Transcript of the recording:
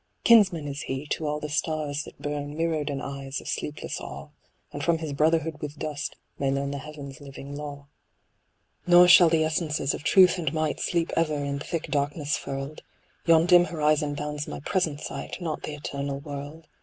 Kinsman is he to all the stars that burn Mirrored in eyes of sleepless awe ; And from his brotherhood with dust, may learn The heavens' living law. THE ASTRONOMER. Nor shall the essences of Truth and Might Sleep ever in thick darkness furled : Yon dim horizon bounds my present sight, Not the eternal world.